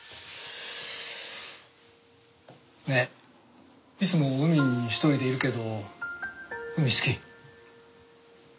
ねえいつも海に１人でいるけど海好き？